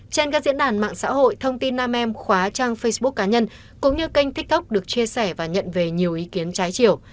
trên các diễn đàn mạng xã hội thông tin nam em khóa trang facebook cá nhân cũng như kênh tiktok được chia sẻ và nhận về nhiều ý kiến trái chiều